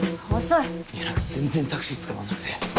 いや何か全然タクシーつかまんなくて。